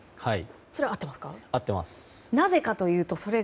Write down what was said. それは合ってますか？